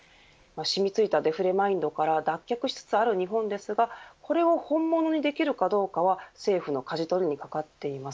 染みついたデフレマインドから脱却しつつある日本ですがこれを本物にできるかどうかは政府のかじ取りにかかっています。